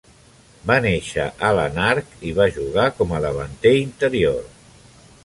Va néixer a Lanark i va jugar com a davanter interior.